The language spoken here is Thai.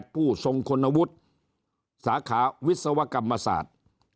ผู้ทรงคุณวุฒิสาขาวิศวกรรมศาสตร์